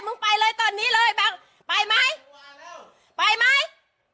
มึงไปเลยตอนนี้เลยไปไหมไปไหม